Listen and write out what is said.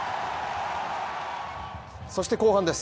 そして後半です